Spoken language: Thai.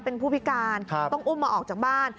เป็นผู้พิการต้องอุ้มมาออกจากบ้าน